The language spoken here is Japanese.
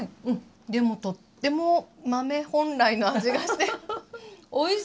でもとっても豆本来の味がしておいしい！